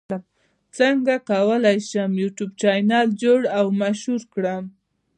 څنګه کولی شم د یوټیوب چینل جوړ او مشهور کړم